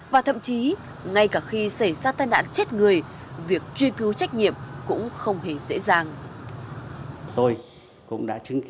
và thậm chí ngay cả khi xảy ra tai nạn chết người việc truy cứu trách nhiệm cũng không hề dễ dàng